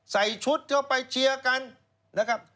ใส่ชุดเข้าไปเชียร์กันนะครับ